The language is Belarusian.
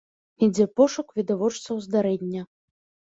Ідзе пошук відавочцаў здарэння.